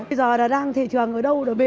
bây giờ là đang thị trường ở đâu đó bệ